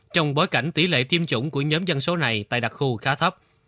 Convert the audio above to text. trong bối cảnh tỷ lệ tiêm chủng của nhóm dân số này tại đặc khu khá thấp